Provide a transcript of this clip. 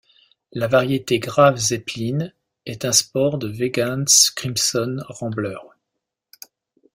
La variété 'Graf Zeppelin' est un sport de 'Weigand's Crimson Rambler.